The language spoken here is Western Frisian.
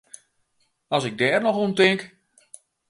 As ik dêr noch oan tink!